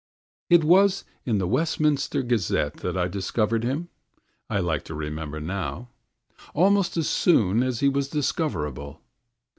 It was in the WESTMINSTER GAZETTE that I discovered him (I like to remember now) almost as soon as he was discoverable.